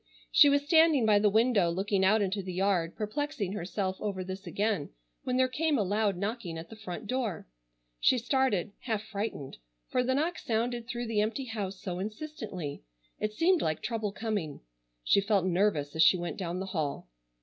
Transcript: She was standing by the window looking out into the yard perplexing herself over this again when there came a loud knocking at the front door. She started, half frightened, for the knock sounded through the empty house so insistently. It seemed like trouble coming. She felt nervous as she went down the hall.